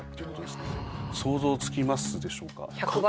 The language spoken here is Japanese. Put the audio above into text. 想像つきますでしょうか？